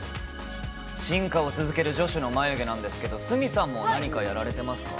進化を続ける女子の眉毛なんですけど、鷲見さんも何か、やられてますか？